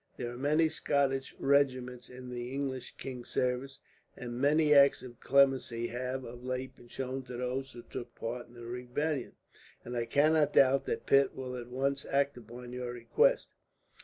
There are many Scottish regiments in the English king's service, and many acts of clemency have, of late, been shown to those who took part in the rebellion, and I cannot doubt that Pitt will at once act upon your request.